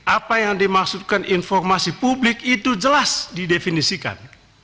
apa yang dimaksudkan informasi publik itu jelas didefinisikan